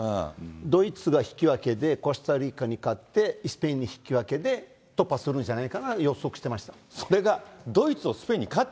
ドイツが引き分けで、コスタリカに勝って、スペインに引き分けで、突破するんじゃないかなと予測していました。